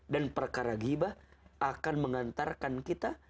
dan perkara ribah akan mengantarkan kita